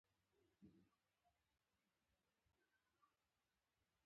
د رسنیو محتوا باید اخلاقي اصول ولري.